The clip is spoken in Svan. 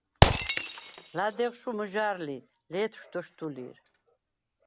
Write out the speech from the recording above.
ლადეღშუ̂ მჷჟა̄̈რ ლი, ლე̄თშუ̂ – დოშდუ̂ლი̄რ.